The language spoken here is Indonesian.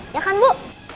ya kan bu